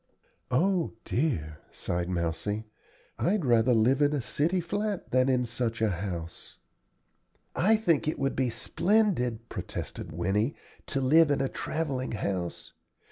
"O dear!" sighed Mousie, "I'd rather live in a city flat than in such a house." "I think it would be splendid," protested Winnie, "to live in a travelling house.